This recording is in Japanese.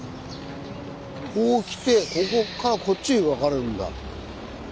こう来てここからこっちへ分かれるんだ東海道。